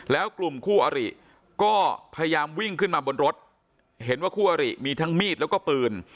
แล้วกลุ่มคู่อริก็พยายามวิ่งขึ้นมาบนรถเห็นว่าคู่อริมีทั้งมีดแล้วก็ปืน